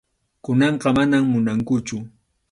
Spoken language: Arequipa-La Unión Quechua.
Kunanqa manam munankuchu.